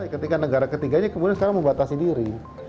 ketika negara ketiganya kemudian sekarang membatasi diri